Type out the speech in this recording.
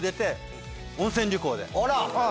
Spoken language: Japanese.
あら！